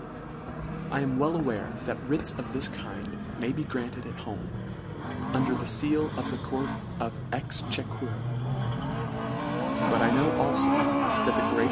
I am well aware that writs of this kind may be granted at home, under the feal of the court of exchequer : But I know alfo that the greater!